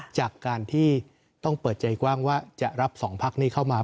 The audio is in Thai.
จากการที่ต้องเปิดใจกว้างว่าจะรับ๒พักนี้เข้ามา